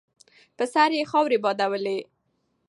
په سر یې خاورې بادولې.